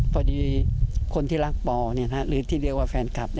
พอดีคนที่รักปอหรือที่เรียกว่าแฟนคลับ